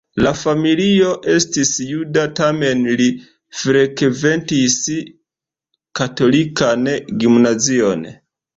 La familio estis juda, tamen li frekventis katolikan gimnazion.